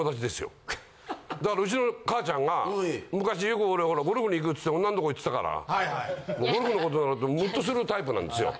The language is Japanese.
だからウチの母ちゃんが昔よく俺ほらゴルフに行くっつって女のとこ行ってたからゴルフのことになるとムッとするタイプなんですよ。